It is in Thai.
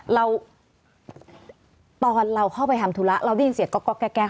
เราตอนเราเข้าไปทำธุระเราได้ยินเสียบก็แก้ข้ออื่นนะครับ